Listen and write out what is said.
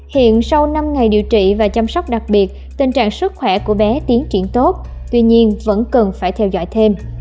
hiện sau năm ngày điều trị và chăm sóc đặc biệt tình trạng sức khỏe của bé tiến triển tốt tuy nhiên vẫn cần phải theo dõi thêm